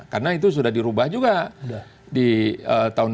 karena itu sudah dirubah juga di tahun dua ribu enam belas